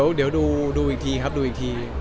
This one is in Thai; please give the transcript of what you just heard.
เดี๋ยวดูอีกทีครับดูอีกที